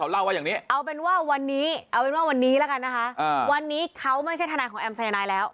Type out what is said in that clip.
แล้วกันนะคะวันนี้เขาไม่ใช่ทนายของแอมป์สัญญาณัยแล้ว